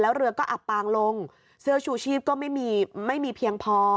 แล้วเรือก็อับปางลงเสื้อชูชีพก็ไม่มีไม่มีเพียงพอ